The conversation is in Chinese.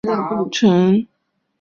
调往事务繁重的保定新城。